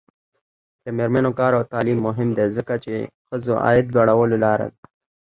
د میرمنو کار او تعلیم مهم دی ځکه چې ښځو عاید لوړولو لاره ده.